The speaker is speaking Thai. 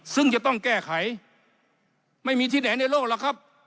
ซึ่งจะต้องแก้ไขไม่มีที่ไหนในโลกหรอกครับ